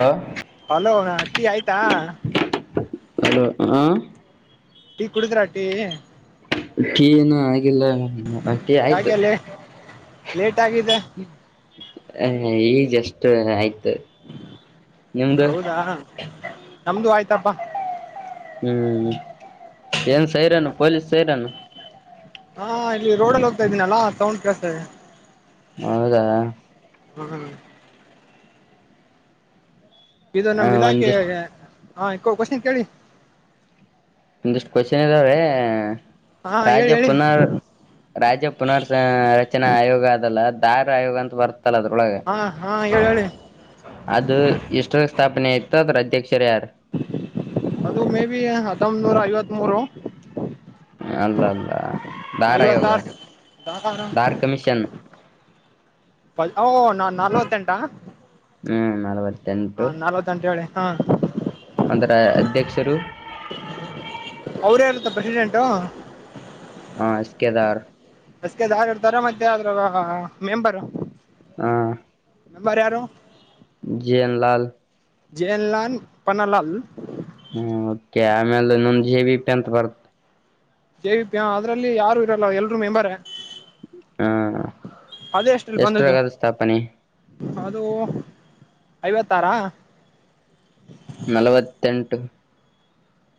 ಹಾ hello tea ಆಯ್ತಾ hello ಹಾ ಟೀ ಕುಡುದ್ರ ಟೀ ಟೀ ಇನ್ನ ಆಗಿಲ್ಲ ಟೀ ಆಯ್ತು ಪ್ಲೇಟ್ ಗೊತ್ತಾಗಿದೆ ಹಾ ಈಗ ಜಸ್ಟ್ ಆಯ್ತು ನಿಮ್ಮದು ಹೌದಾ ನಮ್ದು ಆಯ್ತಪ್ಪ ಹ್ಮ್ ಏನ್ ಸೈರನು ಪೊಲೀಸ್ ಸೈರನು ಹಾ ಇಲ್ಲಿ ರೋಡಲ್ಲಿ ಹೋಗ್ತಾ ಇದ್ದೀನಲ್ಲಾ ಸೌಂಡ್ ಕೇಳಿಸ್ತಾ ಇದೇ ಹೌದಾ ಹ್ಮ್ ಇದು ಹ ನಮ್ಮ ಇಲಾಖೆ ಒಂದಿಷ್ಟ ಕೋಶನ್ ಕೇಳಿ ಒಂದಿಷ್ಟು ಕ್ವಶನ್ ಇದಾವೇ ಹಾ ರಾಜ ಹೇಳಿ ಹೇಳಿ ಪುನರ್ ರಾಜ ಪುನಾರ್ ಆಯೋಗ ಅದಲ್ಲ ದಾರ ಆಯೋಗ ಅಂತ ಬರ್ತ ಅದ್ರೊಳಗೆ ಹಾ ಹಾ ಹೇಳಿ ಹೇಳಿ [inaudible] ಅದು ಎಷ್ಟು ಸ್ಥಾಪನೆ ಆಯ್ತು ರಾಜಧ್ಯಕ್ಷರ ಯಾರ ಅದು ಮೇಬಿ ಹದೊನೂರ ಐವತ್ ಮೂರು ಅಲ್ಲಲ್ಲ ದಾರ ಆಯೋಗ ಐವತ್ತಾರು ದಾರ್ ಕಮಿಷನ್ ಹು ನಾಲ್ವತ್ತೆಂಟ ಹ್ಮ್ ನಾಲವ್ವತೆಂಟು ಹೇಳಿ ಹಾ ಅದರ ಅಧ್ಯಕ್ಷರು ಅವ್ರ ಯಾರತ್ತ ಪ್ರೆಸಿಡೆಂಟು ಹ ಎಸ್ ಕೇದಾರ್ ಬಸಗೆದಾರಿ ಇರ್ತಾರ ಮತ್ತೆ ಅದ್ರ ಮೆಂಬರು ಹಾ ಮೆಂಬರ್ ಯಾರು ಜೇನ್ ಲಾಲ್ ಜೇನ್ ಲಾಲ್ ಪನಲಾಲ್ ಹ್ಮ್ ಮತ್ತ ಆಮೇಲೆ [unintelligible] ಬರ್ತ್ ಜೇ ವಿ ಪಿ ಅದ್ರಲ್ಲಿ ಯಾರು ಇರಲ್ಲ ಎಲ್ರರು ಮೆಂಬರ್ ಹಾ ಅದೇ ಎಷ್ಟಲ್ಲಿ [inaudible] ಬಂದದ್ದು ಎಷ್ಟರಗ ಅದು ಸ್ಥಾಪನೆ ಅದು ಐವತ್ತಾರ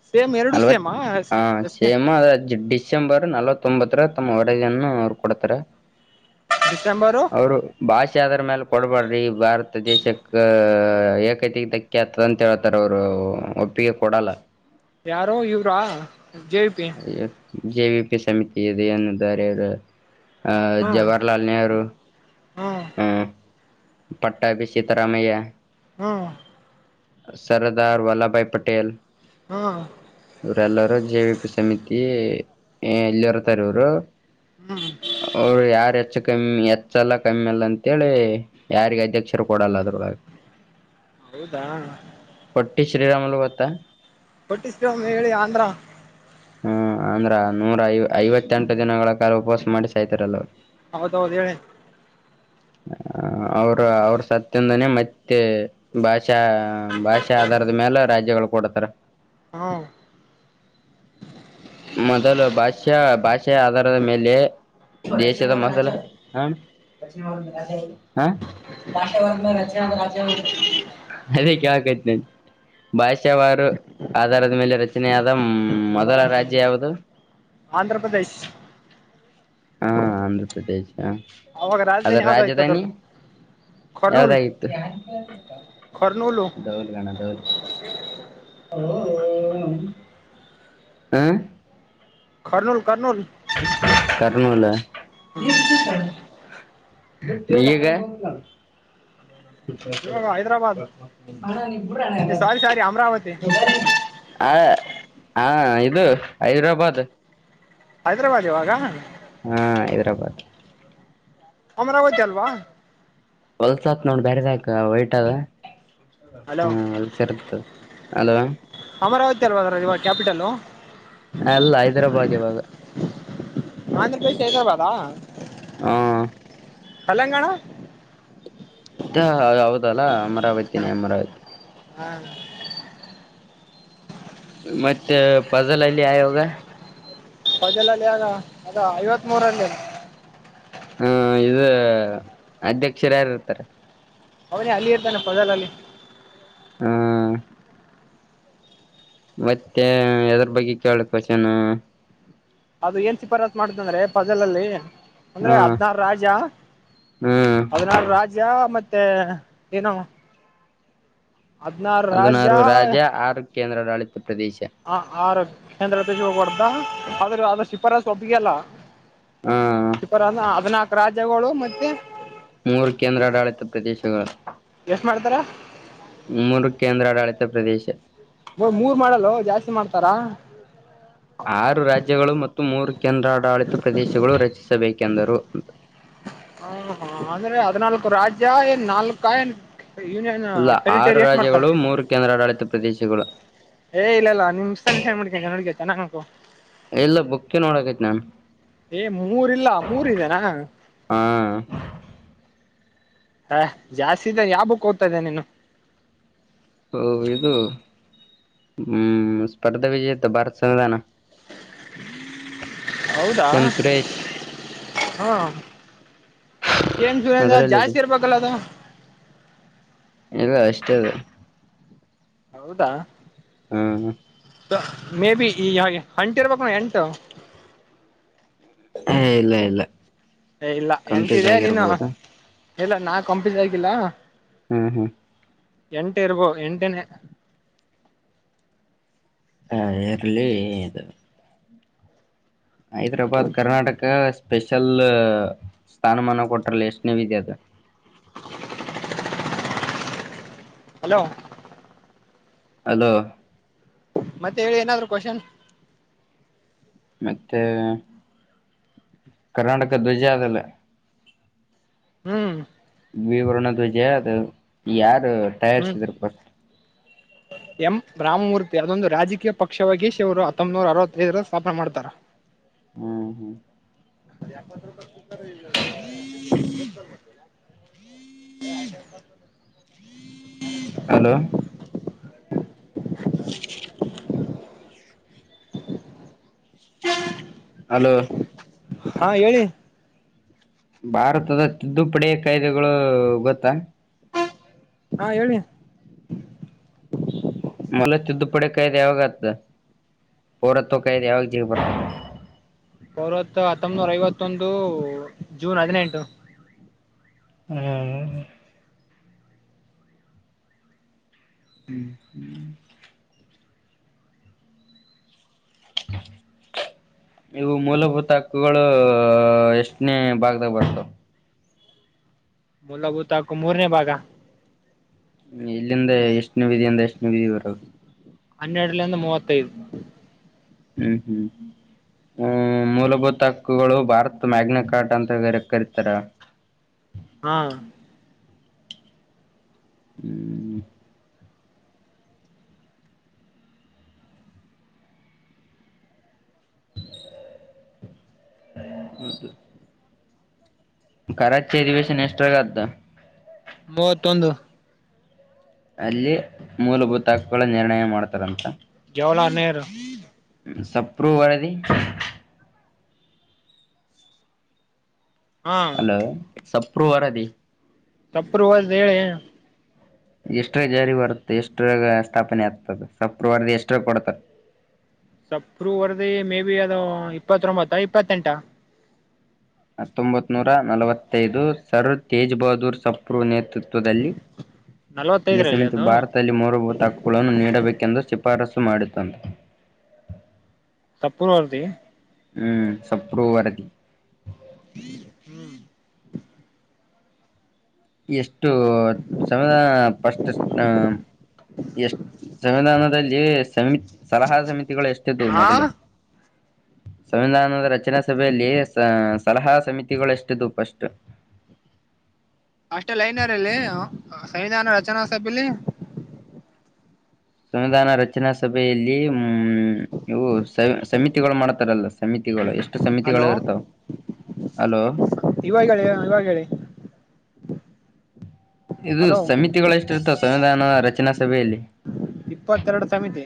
ಸೇಮ್ ಎರಡು ನಲ್ವತ್ ಸೇಮಾ ಹಾ ಸೇಮ ಅಂದ್ರೆ ಡಿಸೆಂಬರ್ ನಲ್ವತ್ ತ್ತೊಂಬತ್ತರ ತಮ್ಮ ಒಡಗೆಯನ್ನು ಅವರು ಕೊಡತಾರೆ ಡಿಸೆಂಬರು ಅವರು ಭಾಷೆ ಹೆಚ್ಚ ಆದ್ರ ಮೇಲೆ ಕೊಡ್ಬಾರಡ್ರಿ ಭಾರತ ದೇಶಕ್ಕ ಏಕೈತೆಕ್ ಧಕ್ಕೆ ಆತದಂತ ಹೇಳ್ತಾರ ಅವರು ಒಪ್ಪಿಗೆ ಕೊಡಲ್ಲ ಯಾರೋ ಇವ್ರಾ [unintelligible] ಜೆ ವಿ ಪಿ ಸಮಿತಿ ಇದೆ ಎನ್ನುಾರೆ ಅವರು ಆ ಜವಾಹರ್ಲಾಲ್ ನೆಹರು ಹು ಪಟ್ಟಾ ಬಿಸಿತರಾಮಯ್ಯ ಹ್ಮ್ ಸರ್ದಾರ್ ವಲ್ಲಭ ಭಾಯ್ ಪಟೇಲ್ ಹ್ಮ್ ಇವರೆಲ್ಲಾರೂ ಜೆವಿಪಿ ಸಮಿತಿ ಹೇ ಎಲ್ಲಿ ಇರ್ತಾರ ಅವರು ಹ್ಮ್ ಅವ್ರ್ ಯಾರು ಹೆಚ್ಚ ಕಮ್ಮಿ ಹೆಚ್ಚಲ್ಲ ಕಮ್ಮಿ ಅಲ್ಲ ಅಂತೇಳಿ ಯಾರಿಗೆ ಅಧ್ಯಕ್ಷರು ಕೊಡಲ್ಲ ಅದ್ರೊಳಗೆ ಹೌದಾ ಟಿ ಶ್ರೀರಾಮಲು ಗೊತ್ತ ಗೊತ್ತು ಶ್ರೀರಾಮುಲು ಹೇಳಿ ಆಂಧ್ರ ಹ್ಮ್ ಆಂಧ್ರ ನೂರ ಐವತ್ತೆಂಟು ದಿನಗಳ ಕಾಲ ಉಪವಾಸ ಮಾಡಿ ಸಾಯತಾರಲ್ಲ ಅವರು ಹೌದೌದು ಹೇಳಿ ಅವ್ರ ಅವ್ರ ಸತ್ಯಂದಾನೇ ಮತ್ತೆ ಭಾಷೆ ಭಾಷಾ ಭಾಷೆ ಆಧಾರದ ಮೇಲೆ ರಾಜ್ಯಗಳು ಕೊಡ್ತಾರೆ ಹಾ ಮೊದಲು ಭಾಷ್ಯ ದೇಶ ಮೊದಲ ಹಾ ಅದೇ ಕೇಳಾಕತ್ತೀನಿ ಭಾಷಾವಾರು ಆಧಾರದ ಮೇಲೆ ರಚನೆಯಾದ ಮೊದಲ ರಾಜ್ಯ ಯವುದು ಆಂಧ್ರ ಪ್ರದೇಶ್ ಹಾ ಆಂಧ್ರ ಪ್ರದೇಶ್ ಹಾ ಅವಾಗ ಅದ್ರ ರಾಜಧಾನಿ ಯಾವ್ದಾಯ್ತು ರಾಜಧಾನಿ ಅದ್ರದ್ದು ಕರ್ನೂಲ್ ಯಾವ್ದಾಗಿತ್ತು ಕರ್ನೂಲು [inaudible] ದೌಲ್ಗಣ ದೌಲ್ ಹಲೋ ಏನು ಹಾ ಕರ್ನೂಲ್ ಕರ್ನೂಲ್ ಕರ್ನೂಲ್ ಹ್ಮ್ ಹಾ [inaudible] ಈಗ ಇವಾಗ ಹೈದ್ರಾಬಾದ್ ಸಾರಿ ಸಾರಿ ಅಮರಾವತಿ ಹಾ ಹಾ ಇದು ಹೈದ್ರಾಬಾದ್ ಹೈದ್ರಾಬಾದ್ ಇವಾಗ ಹಾ ಹೈದ್ರಾಬಾದ್ ಅಮರಾವತಿ ಅಲ್ವಾ ಹೊಲ್ಸತ್ ನೋಡ್ ಬೇರೆ ಸಾಕ ವಯಟ್ದ ಹಲೋ ಹಾ ವಲ್ಸರ್ದು ಅಲೋ ವ ಇವಾಗ ಕ್ಯಾಪಿಟಲ್ ಅಲ್ಲ ಹೈದ್ರಾಬಾದ್ ಇವಾಗ ಆಂಧ್ರ ಪ್ರದೇಶ್ ಹೈದ್ರಾಬಾದಾ ಹಾ ಕಲಂಗಾಣ ಅ ಹೌದಲ್ಲ ಅಮರಾವತಿನೇ ಅಮರಾವತಿ ಹ್ಮ ಹ ಮತ್ತೆ ಫಜಲಲ್ಲಿ ಆಯೋಗ ಪಜಲಲ್ಲಿ ಆಗ ಐವತ್ ಮೂರಲ್ಲಿ ಹಾ ಇದು ಅಧ್ಯಕ್ಷರ ಯಾರ ಇರ್ತಾರೆ ಅವನೇ ಅಲ್ಲಿ ಇರ್ತಾನೆ ಪದಲ್ ಅಲ್ಲಿ ಹ್ಮ್ ಮತ್ತೆ ಎದರ ಬಗ್ಗೆ ಕೇಳಕ್ ಕೋಶನ್ ಅದು ಏನ್ ಸಿಫಾರಸು ಮಾಡ್ತ ಅಂದ್ರೆ ಪಜಲಲ್ಲಿ ಹ್ಮ ಅಂದ್ರೆ ಹದ್ನಾರು ರಾಜ ಹ್ಮ್ ಹದಿನಾರು ರಾಜ ಮತ್ತೆ ತ್ತ ಏನ ಅದಿನಾರು ರಾಜ ಆರು ಕೇಂದ್ರಾಡಳಿ ಹ ಆರೋಗ ಕೇಂದ್ರ ಹೋಗೋಡ್ದ ಆದ್ರೆ ಅ ಶಿಪಾರಬ್ ನಿಯಲ್ಲಾ ಹ ಶಿಪರ ಹದಿನಾಕು ರಾಜ್ಯಗಳು ಮತ್ತೆ ಮೂರು ಕೇಂದ್ರಾಡಾಳಿತ ಪ್ರದೇಶಗಳು ಎಷ್ಟು ಮಾಡ್ತಾರೆ ಮೂರು ಕೇಂದ್ರಾಡಳಿತ ಪ್ರದೇಶ ಮೂರ್ ಮಾಡಲ್ಲ ಜಾಸ್ತಿ ಮಾಡ್ತಾರಾ ಆರು ರಾಜ್ಯಗಳು ಮತ್ತು ಮತ್ತು ಮೂರು ಕೇಂದ್ರಾಡಳಿತ ಪ್ರದೇಶಗಳು ರಚಿಸಬೇಕೆಂದರು ಹ ಹಾ ಅಂದ್ರೆ ಹದ್ನಾಲ್ಕು ರಾಜ್ಯ ಏನ್ ನಾಲ್ಕ ಏನ್ ಯೂನಿಯನ್ ಇಲ್ಲ ಆರು ಟೆರಿಟರಿ ಎಷ್ಟ್ ಮಾಡ್ತಾರ ರಾಜ್ಯಗಳು ಮೂರು ಕೇಂದ್ರಾಡಳಿತ ಪ್ರದೇಶಗಳು ಏ ಹ ಎಲ್ಲ ಬುಕ್ಕೆ ನೋಡಕತ್ ಏ ಮೂರ್ ಇಲ್ಲ ಮೂರ್ ಇದೆನಾ ಹಾ ಹ ಜಾಸ್ತಿ ಯಾಬುಕ್ ಹೋಗ್ತಾದ ನೀನು ಓ ಇದು ಹ್ಮ್ ಸ್ಪರ್ಧಾ ವಿಜಯತ ಭಾರತ ಸಂವಿಧಾನ ಹೌದಾ ಕೆಂ ಸುರೇಶ್ ಹಾ ಏನ್ [unintelligible] ಸುರೇಂದ ಅದ್ರಲ್ಲಿದೆ ಜಾಸ್ತಿ ಇರ್ಬೇಕಲ್ಲ ಅದು ಇಲ್ಲ ಅಷ್ಟೇ ಅಲ್ಲ ಹೌದಾ ಹ್ಮ್ ಮೇ ಬಿ ಈ ಹಾಗೆ [unintelligible] ಹೊಂಟಿರ್ಬೇಕು ಎಂಟು ಹ ಇಲ್ಲ ಇಲ್ಲ ಇಲ್ಲ ಕಂಪ್ಲೀಟ್ ಎಂಟಿದೆ ನೀನು ಆಗಿರ್ಬೋದು ಇಲ್ಲ ನಾ ಕಂಪಿಸಕಿಲ್ಲ ಹ್ಮ್ ಹ್ಮ್ ಎಂಟ ಇರ್ಬೋ ಎಂಟನೆ ಹಾ ಎರ್ಲಿ ಇದು ಹೈದ್ರಾಬಾದ್ ಕರ್ನಾಟಕ ಸ್ಪೆಷಲ್ ಸ್ಥಾನಮಾನ ಕೊಟ್ರಲ್ಲ ಎಷ್ಟನವಿದ ಅದು ಹಲೋ ಅಲೋ ಮತ್ತೆ ಹೇಳಿ ಏನಾದ್ರು ಕ್ವಶನ್ ಮತ್ತೇ ಕರ್ನಾಟಕ ಧ್ವಜ ಅದೆಲ್ಲ ಹ್ಮ್ ವಿ ವರ್ಣದುಜ ಯ ಟಯರ್ರ್ ಹ್ಮ್ ಎಂ ರಾಮಮೂರ್ತಿ ಅದೊಂದು ರಾಜಕೀಯ ಪಕ್ಷವಾಗಿಗ ಶ ಅವರು ಹತ್ತೊಂಬನೂರ ಅರವತ್ತೈದರ ಸ್ಥಾಪನೆ ಮಾಡ್ತಾರ ಹ್ಮ್ ಹ್ಮ್ ಅ ಯ ಪತ್ರಪ ಕುೂತ [inaudible] [inaudible] ಹಲೋ [inaudible] [inaudible] ಹಲೋ ಹಾ ಹೇಳಿ ಭಾರತದ ತಿದ್ದುಪಡಿ ಕಾಯ್ದೆಗಳು ಗೊತ್ತಾ ಹಾ ಹೇಳಿ [unintelligible] ತುದಪಡೆ ಕಾಯದ ಯಾವಾಗ ಪೌರತ್ವ ಕಾಯದ ಯಾವಾಗ ಜಗಬ ಸಾವರತ್ ಹತ್ತೊಂಬನೂರ ಐವತ್ತೊಂದು ಜೂನ್ ಹದಿನೆಂಟು ಹ್ಮ್ ಹ್ಮ್ ಹ್ಮ್ ಇವು ಮೂಲಭೂತ ಹಕ್ಕುಗಳು ಎಷ್ಟನೇ ಭಾಗದಾಗ ಬರ್ತು ಮೂಲಭೂತ ಹಾಕು ಮೂರನೇ ಭಾಗ ಇಲ್ಲಿಂದ ಎಷ್ಟನೇ ವಿಧಿಯಂದ ಎಷ್ಟನ ವಿಧಿ ಬರದು ಹನ್ನೆರಲಂದ ಮೂವತ್ತು ಹತ್ತೈದು ಹ್ಮ್ ಹ್ಮ್ ಹ್ಮ ಮೂಲಭೂತ ಹಕ್ಕುಗಳು ಭಾರತ್ ಮ್ಯಾಗ್ನಕಾಟ್ ಅಂತ ಕರಿತಾರ ಹಾ ಹ್ಮ್ ಹೌದು [inaudible] ಕರ ಚರಿವೇಶನ್ ಎಕ್ಸ್ಟ್ರಾ ಕ್ದ ಮೂವತ್ತೊಂದು ಅಲ್ಲಿ ಮೂಲಭೂತ ಹಕ್ಕುಳ ನಿರ್ಣಯ ಮಾಡ್ತಾರಂತ ಜವಾಹರ್ಲಾಲ್ ನೆಹರು ಸಪ್ರೂ ವದ ಹಾ ಹಲೋ ಸ ಪವರದಿ ತಪ್ಪು್ರವ್ದ ಹೇಳಿ ಎಷ್ಟ್ರ ಜಾರಿ ಬರುತ್ತ ಎಷ್ಟಾಗ ಸ್ಥಾಪನೆ ಆಗ್ತದೆ ಸಪ್ರವಾರದ ಎಷ್ಟ್ರಾಗ ಕೊಡ್ತಾರ ಸಪರುೂ ವರ್ದಿ ಮೇ ಬಿಿ ಅದು ಇಪ್ಪತ್ತೊಂಬತ್ತ ಇಪ್ಪತ್ತೆಂಟ ಹತ್ತೊಂಬತ್ ನೂರ ನಲವತ್ತೈದು ಸರ್ ತೇಜ್ ಬಹದ್ದೂರ್ ಸಪ್ಪರು ನೇತೃತ್ವ ಈ ನಲ್ವತ್ತೈದರಲ್ಲಿ ಸಮಿತಿ ಅದು ಭಾರತದಲ್ಲಿ ಮೂರ ಹಕ್ಕುಗಳನ್ನು ನೀಡಬೇಕೆಂದು ಪರಸು ಮಾಡುತ್ತುತ್ತದೆ ಸಪ್ಪೂರ್ವತಿ ಹ್ಮ್ ಸಪ್ರೂ ವರದ ಹ್ಮ ಹ್ಮ್ ಎಷ್ಟು ಸಮಧ ಪಫಸ್ಟ್ ಹ ಎಷ್ಟ ಸಂವಿಧಾನದಲ್ಲಿ ಸಮಿ ಸಲಹಾ ಸಮಿತಿ ಎಷ್ಟ ತ ಹಾ ಅದಲ್ಲ ಸಂವಿಧಾನದ ರಚನಾ ಸಭೆಯಲ್ಲಿ ಸಲಹಾ ಸಮಿತಿಗಳೆಷ್ಟ ತುಪ್ಪಷ್ಟು ಅಷ್ಟೇ ಲೈನರ್ಲ್ಲಿ ಸಂವಿಧಾನ ರಚನಾ ಸಭಲಿ ಸಂವಿಧಾನ ರಚನಾ ಸಭೆಯಲ್ಲಿ ಹ್ಮ ಇವು ಸಮಿತಿಗಳು ಮಾಡ್ತಾರಲ್ಲ ಸಮಿತಿಗಳು ಎಷ್ಟು ಸಮಿತಿಗಳು ಹಲೋ ಇರ್ತಾವ ಅಲೋ ಇವಾಗ ಹೇಳಿ ಇವಾಗ ಹೇಳಿ ಇದು ಹಲೋ ಸಮಿತಿಗಳು ಎಷ್ಟು ಇರ್ತಾವ ಸಂವಿಧಾನ ರಚನಾ ಸವಲೆ ಇಪ್ಪತ್ತೆರಡು ಸಮಮಿತಿ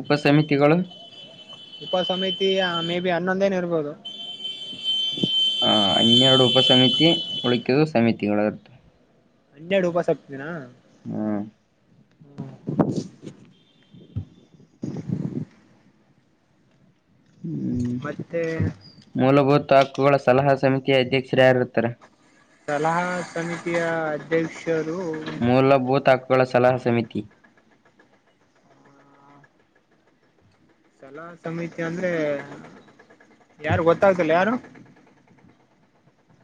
ಉಪಸಮಿತಿಗಳುಗಳು ಉಪ ಸಮಿತಿ ಮೇ ಬಿ ಹನ್ನೊಂದೇನ ಇರ್ಬೋದು ಹ ಹನ್ನೆರಡು ಉಪ ಸಮಿತಿ ಉಳಕದು ಸಮಿತಿಗಳ್ದು ಹನ್ನೆರಡು ಉಪಾಸಕ್ತತಿನ ಹ್ಮ ಮತ್ತೆ ತ ಹಕ್ಕುಗಳ ಸಲಹಾ ಸಮಿತಿಯ ಅಧ್ಯಕ್ಷರಾರರುತ್ತಾರೆ ಸಲಹಾ ಸಮಿತಿಯ ಅಧ್ಯಕ್ಷ ಯದು ಗಳ ಸಲಹಾ ಸಮಿತಿ ಸಲಹಾ ಸಮಿತಿ ಅಂದ್ರೆ ಯಾರು ಗೊತ್ತಾಗ್ತಲ್ಲ ಯಾರು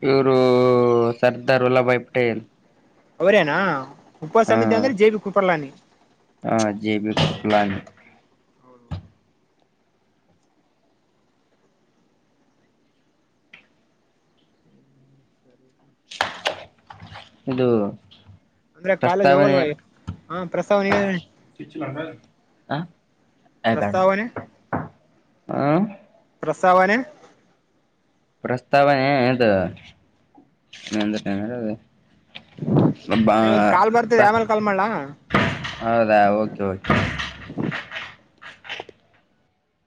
ಇವರು ಸರ್ದಾರ್ ವಲ್ಲಭಭಾಯ್ ಪಟೇಲ್ ಅವರೇನಾ ಉಪ ಹಾ ಸಮಿತಿ ಅಂದ್ರೆ ಜೇ ಬಿಿ ಕುಪ್ಪಳ್ಳಾನಿ ಹಾ ಜೆಬಿ ಕಪ್ಲಾನ್ ಇದು ಅಂದ್ರೆ ಕಾಲೇಜ್ ಪ್ರಸ್ತಾವನೆ ಹೋಗಲ್ವಾ ಹಾ ಪ್ರಸ್ತಾವ ಆ ಏ ಬೇಡ ಪ್ರಸ್ತಾವನೆ ಆ ಸವನ್ ಪ್ರಸ್ತಾವನೆದು ಸರಿ ಒಂದ್ ಕಾಲ್ ಬರ್ತಿದೆ ಆಮೇಲೆ ಕಾಲ್ ಮಾಡ್ಲಾ ಹೌದಾ ಓಕೆ ಓಕೆ ಹಾ